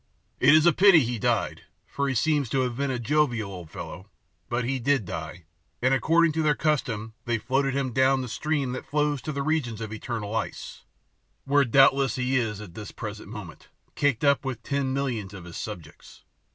It is a pity he died, for he seems to have been a jovial old fellow; but he did die, and, according to their custom, they floated him down the stream that flows to the regions of eternal ice, where doubtless he is at this present moment, caked up with ten million of his subjects.